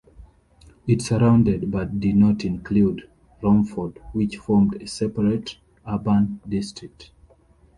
It surrounded, but did not include, Romford which formed a separate urban district.